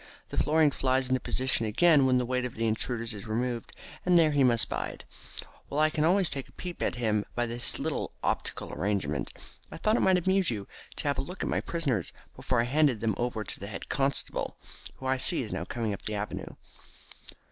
The flooring flies into position again when the weight of the intruder is removed, and there he must bide, while I can always take a peep at him by this simple little optical arrangement. I thought it might amuse you to have a look at my prisoners before I handed them over to the head constable, who I see is now coming up the avenue."